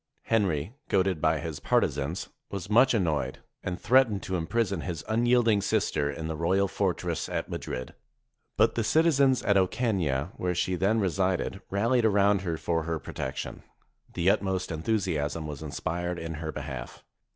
Henry, goaded by his partisans, was much annoyed, and threatened to im prison his unyielding sister in the royal fortress at Mad rid. But the citizens at Ocana, where she then resided, ralHed around her for her protection. The utmost en thusiasm was inspired in her behalf.